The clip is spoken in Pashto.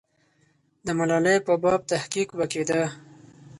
د ملالۍ په باب تحقیق به کېده.